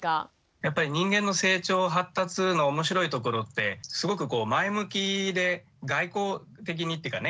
やっぱり人間の成長発達の面白いところってすごくこう前向きで外交的にっていうかね